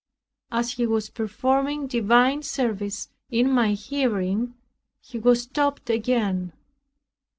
As he was performing divine service in my hearing, he was stopped again.